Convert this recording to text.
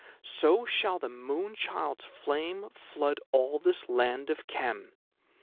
So shall the Moon child's flame flood all this land of Khem.